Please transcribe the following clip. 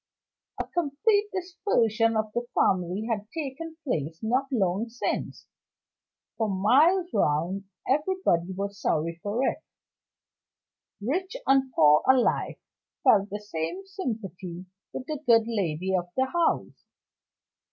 A complete dispersion of the family had taken place not long since. For miles round everybody was sorry for it. Rich and poor alike felt the same sympathy with the good lady of the house.